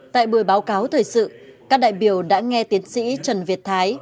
tại buổi báo cáo thời sự các đại biểu đã nghe tiến sĩ trần việt thái